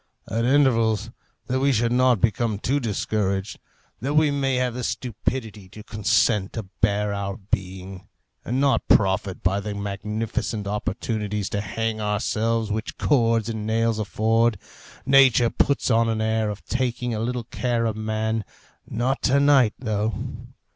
At intervals, that we should not become too discouraged, that we may have the stupidity to consent to bear our being, and not profit by the magnificent opportunities to hang ourselves which cords and nails afford, nature puts on an air of taking a little care of man not to night, though.